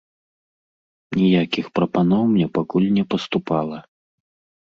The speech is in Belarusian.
Ніякіх прапаноў мне пакуль не паступала.